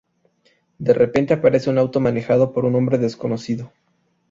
De repente, aparece un auto manejado por un hombre desconocido.